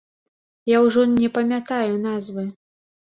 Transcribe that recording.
Я ўжо не памятаю назвы.